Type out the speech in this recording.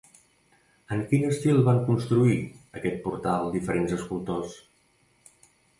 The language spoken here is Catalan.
En quin estil van construir aquest portal diferents escultors?